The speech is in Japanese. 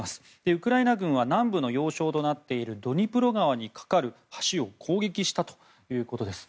ウクライナ軍は南部の要衝となっているドニプロ川に架かる橋を攻撃したということです。